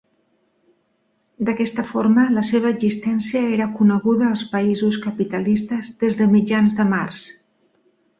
D'aquesta forma la seva existència era coneguda als països capitalistes des de mitjans de març.